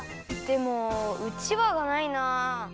でもうちわがないな。